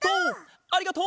ありがとう！